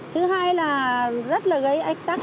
thứ hai là rất là gây ách tắc